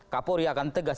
kapolri akan tegas